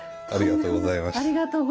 ありがとうございます。